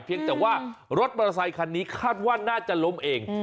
เพียงแต่ว่ารถมอเตอร์ไซคันนี้คาดว่าน่าจะล้มเอง